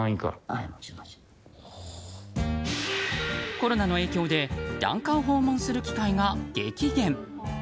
コロナの影響で檀家を訪問する機会が激減。